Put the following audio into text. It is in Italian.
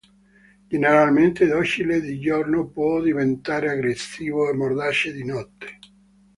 Generalmente docile di giorno, può diventare aggressivo e mordace di notte.